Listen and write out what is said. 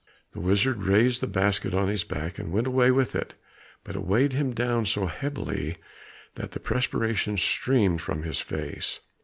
The wizard raised the basket on his back and went away with it, but it weighed him down so heavily that the perspiration streamed from his face.